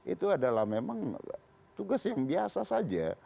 itu adalah memang tugas yang biasa saja